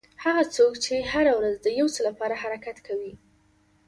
هغه څوک چې هره ورځ د یو څه لپاره حرکت کوي.